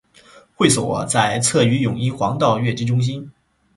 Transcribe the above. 会所在鲗鱼涌英皇道乐基中心。